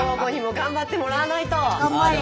頑張れ！